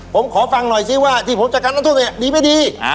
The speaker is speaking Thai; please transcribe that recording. ผมขอฟังหน่อยซิว่าที่ผมจัดการน้ำท่วมเนี่ยดีไม่ดี